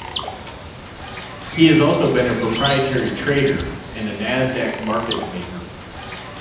He has also been a proprietary trader and Nasdaq Market Maker.